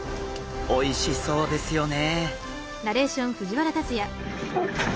おいしそうですよね！